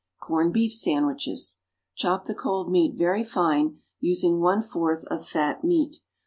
=Corned Beef Sandwiches.= Chop the cold meat very fine, using one fourth of fat meat.